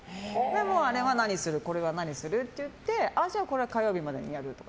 あれは何する、これは何するってじゃあこれは火曜日までにやるとか。